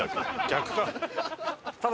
逆か。